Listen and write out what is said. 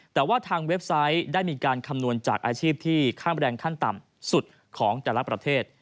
แต่ว่าทางเว็บไซต์ได้มีการคำนวณจากอาชีพที่ค่าแรงขั้นต่ำสุดของแต่ละประเทศ